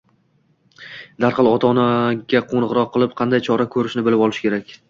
darhol ota-onaga qo‘ng‘iroq qilib, qanday chora ko‘rishni bilib olish kerak.